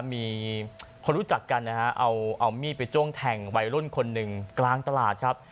มีคนรู้จักกันนะฮะเอามีดไปจ้วงแทงวัยรุ่นคนหนึ่งกลางตลาดครับ